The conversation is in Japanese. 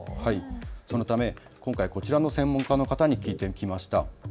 そのためこちらの専門家の方に聞いてきました。